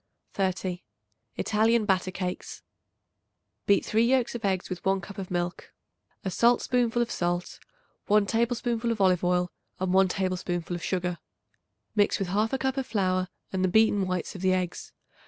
30. Italian Batter Cakes. Beat 3 yolks of eggs with 1 cup of milk, a Salt spoonful of salt, 1 tablespoonful of olive oil and 1 tablespoonful of sugar. Mix with 1/2 cup of flour and the beaten whites of the eggs.